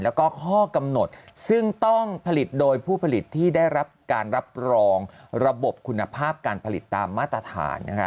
แล้วก็ข้อกำหนดซึ่งต้องผลิตโดยผู้ผลิตที่ได้รับการรับรองระบบคุณภาพการผลิตตามมาตรฐานนะคะ